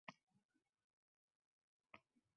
Koronavirus pandemiyasi tufayli joriy qilingan.